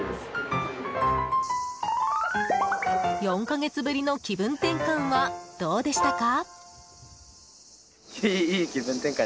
４か月ぶりの気分転換はどうでしたか？